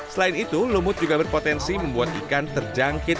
selain itu lumut juga berpotensi membuat ikan terjangkit